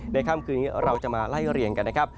ค่ำคืนนี้เราจะมาไล่เรียงกันนะครับ